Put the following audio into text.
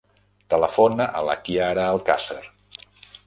Telefona a la Chiara Alcacer.